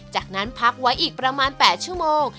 จากนั้นพักไว้อีกประมาณ๘ชั่วโมง